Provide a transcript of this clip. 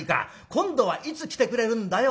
今度はいつ来てくれるんだよ